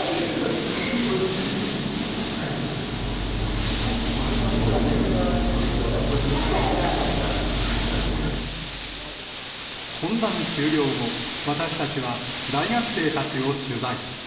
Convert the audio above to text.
うちの娘の愛子も、懇談終了後、私たちは、大学生たちを取材。